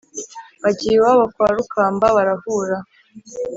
agiye iwabo kwa rukamba barahura